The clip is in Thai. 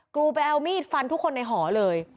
กรูไปเอามีดฟันทุกคนในหอเลย